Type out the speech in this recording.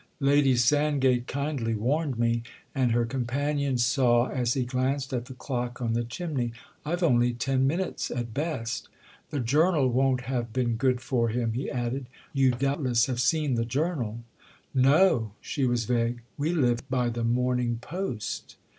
"Lady Sandgate kindly warned me, and," her companion saw as he glanced at the clock on the chimney, "I've only ten minutes, at best. The 'Journal' won't have been good for him," he added—"you doubtless have seen the 'Journal'?" "No"—she was vague. "We live by the 'Morning Post.